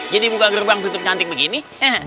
jadi buka gerbang tutup cantik begini